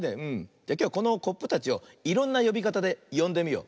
じゃきょうはこのコップたちをいろんなよびかたでよんでみよう。